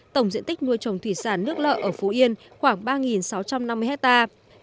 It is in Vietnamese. tổng diện tích nuôi trồng thủy sản nước lợ ở phú yên khoảng ba sáu trăm năm mươi hectare